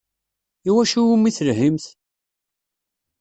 I wacu iwumi telhimt?